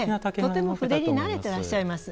とても筆に慣れてらっしゃいます。